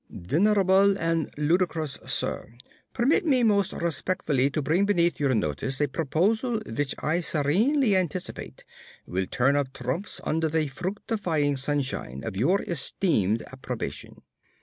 _ VENERABLE AND LUDICROUS SIR. Permit me most respectfully to bring beneath your notice a proposal which I serenely anticipate will turn up trumps under the fructifying sunshine of your esteemed approbation.